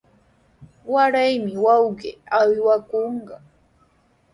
Waraymi wawqii aywakunqa.